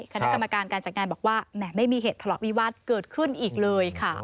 คณะกรรมการการจัดงานบอกว่าแหมไม่มีเหตุทะเลาะวิวาสเกิดขึ้นอีกเลยค่ะ